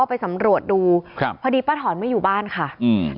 ไปสำรวจดูครับพอดีป้าถอนไม่อยู่บ้านค่ะอืม